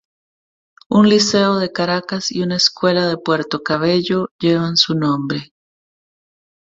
Un Liceo de Caracas y una escuela de Puerto Cabello llevan su nombre.